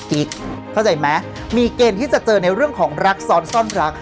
กิ๊กเข้าใจไหมมีเกณฑ์ที่จะเจอในเรื่องของรักซ้อนซ่อนรัก